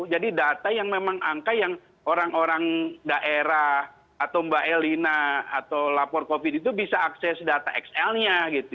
jadi data yang memang angka yang orang orang daerah atau mbak elina atau lapor covid itu bisa akses data xl nya gitu